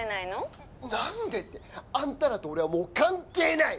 なんでってあんたらと俺はもう関係ない！